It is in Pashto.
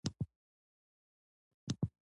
لویې ودانۍ او کلک نظامي مرکزونه هم جوړ شول.